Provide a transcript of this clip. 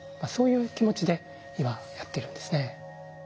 そういう気持ちで今やってるんですね。